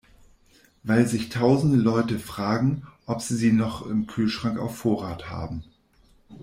Weil sich tausende Leute fragen, ob sie sie noch im Kühlschrank auf Vorrat haben.